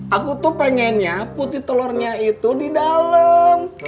aku tuh pengennya putih telurnya itu di dalam